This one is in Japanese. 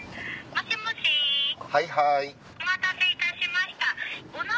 はいはい。